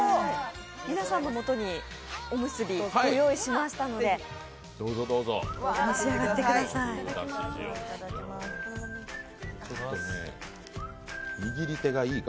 皆さんのもとにおむすびご用意しましたので召し上がってください。